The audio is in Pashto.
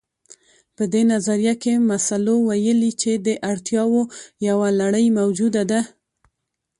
په دې نظريه کې مسلو ويلي چې د اړتياوو يوه لړۍ موجوده ده.